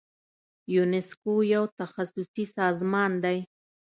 یونسکو یو تخصصي سازمان دی.